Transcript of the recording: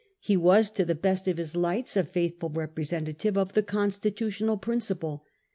He was to the best of his lights a faithful representative of the constitutional principle.